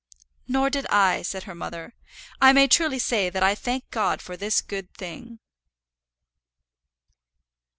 "Nor did I," said her mother; "I may truly say that I thank God for this good thing."